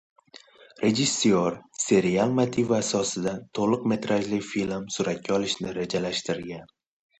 Rejissor serial motivi asosida to‘liq metrajli film suratga olishni rejalashtirgan